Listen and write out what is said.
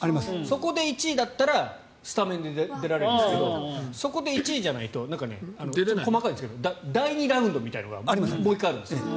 そこで１位だったらスタメンで出られるんですけどそこで１位じゃないと細かいですけど第２ラウンドみたいなのがもう１回あるんです。